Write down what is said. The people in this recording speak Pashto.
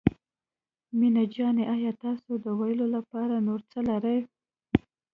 مينه جانې آيا تاسو د ويلو لپاره نور څه لرئ.